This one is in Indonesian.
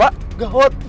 bapak ngebut ya